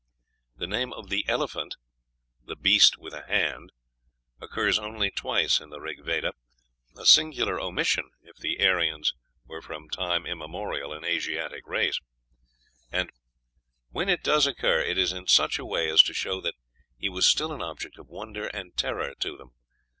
The name of the elephant, "the beast with a hand," occurs only twice in the "Rig Veda;" a singular omission if the Aryans were from time immemorial an Asiatic race; and "when it does occur, it is in such a way as to show that he was still an object of wonder and terror to them."